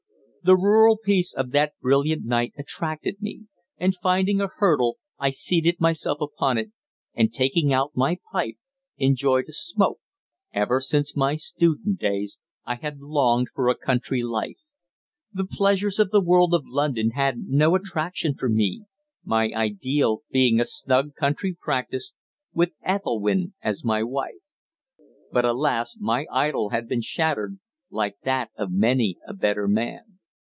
The rural peace of that brilliant night attracted me, and finding a hurdle I seated myself upon it, and taking out my pipe enjoyed a smoke. Ever since my student days I had longed for a country life. The pleasures of the world of London had no attraction for me, my ideal being a snug country practice with Ethelwynn as my wife. But alas! my idol had been shattered, like that of many a better man.